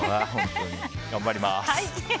頑張ります。